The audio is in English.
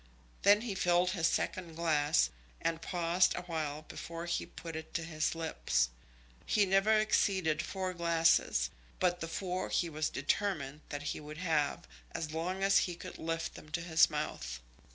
Then he filled his second glass, and paused awhile before he put it to his lips. He never exceeded four glasses, but the four he was determined that he would have, as long as he could lift them to his mouth.